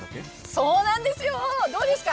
そうなんですよ、どうですか？